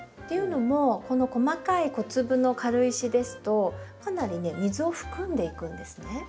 というのもこの細かい小粒の軽石ですとかなりね水を含んでいくんですね。